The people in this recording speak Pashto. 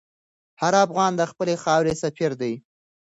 هر افغان د خپلې خاورې سفیر دی.